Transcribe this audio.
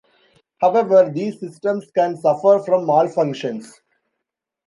However these systems can suffer from malfunctions.